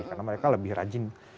karena mereka lebih rajin